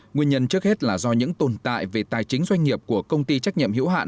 nguyên nhân trước hết là do những tồn tại về tài chính doanh nghiệp của công ty trách nhiệm hiểu hạn